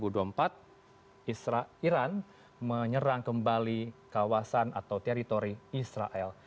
iran menyerang kembali kawasan atau teritori israel